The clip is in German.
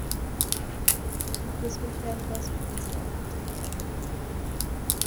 Im Prismenfernglas bieten sie einen prächtigen Anblick.